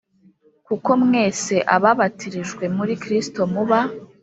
kuko mwese ababatirijwe muri Kristo muba